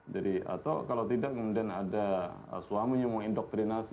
jadi atau kalau tidak kemudian ada suamunya mau indoktrinasi